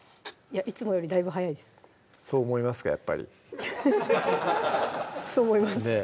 いつもよりだいぶ早いですそう思いますかやっぱりそう思います